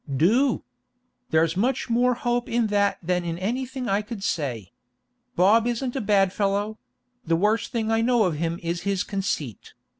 'Do! There's much more hope in that than in anything I could say. Bob isn't a bad fellow; the worst thing I know of him is his conceit.